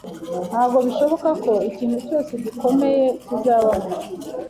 Ntabwo bishoboka ko ikintu cyose gikomeye kizabaho